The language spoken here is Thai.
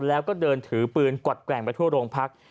แล้วก็เดินถือปืนกวัดแกว่งไปทั่วโรงพัก